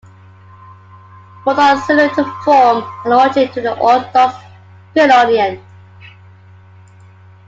Both are similar in form and origin to the Orthodox phelonion.